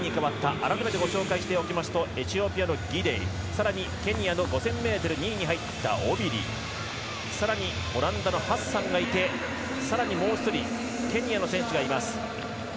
改めてご紹介しますとエチオピアのギデイ更にケニアの５０００ｍ２位に入ったオビリ更に、オランダのハッサンがいて更にもう１人ケニアの選手がいます。